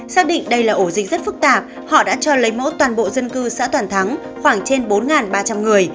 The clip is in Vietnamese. xác định đây là ổ dịch rất phức tạp họ đã cho lấy mẫu toàn bộ dân cư xã toàn thắng khoảng trên bốn ba trăm linh người